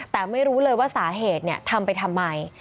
แต่ไม่รู้เลยว่าสาเหตุทำไปทำไม